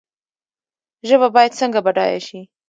ژبه باید څنګه بډایه شي؟